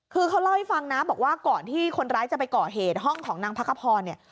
คือเขาเล่าให้ฟังนะบอกว่าก่อนที่คนร้ายจะไปก่อเหตุห้องของนางพักขพรเนี่ย